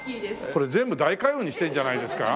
これ全部大海運にしてるんじゃないですか？